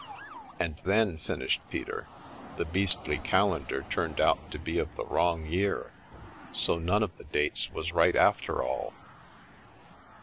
" And then," finished Peter, " the beastly calendar turned out to be of the wrong year, so none of the dates was right, after all."